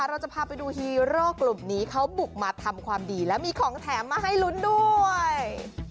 เราจะพาไปดูฮีโร่กลุ่มนี้เขาบุกมาทำความดีและมีของแถมมาให้ลุ้นด้วย